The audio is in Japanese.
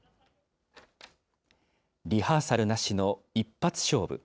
リハーサルなしの一発勝負。